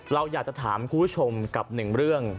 เราอยากจะถามคุณผู้ชมกับหนึ่งเรื่อง